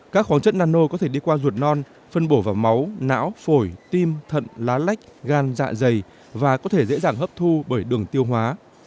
các khoáng chất nano có thể đi qua ruột non phân bổ vào máu não phổi tim thận lá lách gan dạ dày và có thể dễ dàng hấp thu bởi đường tiêu hóa